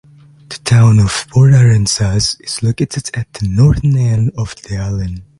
The town of Port Aransas is located at the northern end of the island.